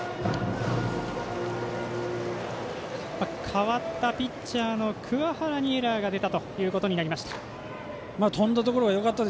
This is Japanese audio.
代わったピッチャーの桑原にエラーが出たということになりました。